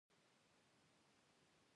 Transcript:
د ستونزي پر مهال باید پر حل لارو يې فکر وسي.